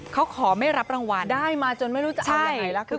เขาขอไม่รับรางวัลได้มาจนไม่รู้จะเอายังไงแล้ว